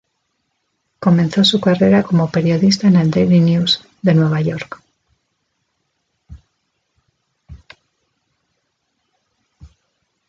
Comenzó su carrera como periodista en el "Daily News" de Nueva York.